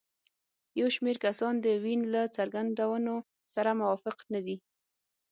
یو شمېر کسان د وین له څرګندونو سره موافق نه دي.